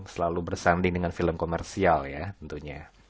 selalu bersanding dengan film komersial ya tentunya